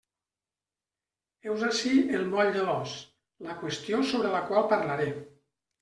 Heus ací el moll de l'os, la qüestió sobre la qual parlaré.